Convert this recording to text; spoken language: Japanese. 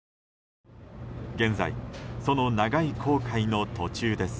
現在、その長い航海の途中です。